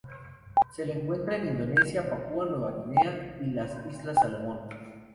Se la encuentra en Indonesia, Papua Nueva Guinea, y las islas Salomón.